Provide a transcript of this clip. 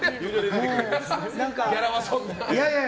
ギャラはそんな。